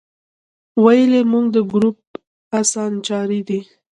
ویل یې زموږ د ګروپ اسانچاری دی.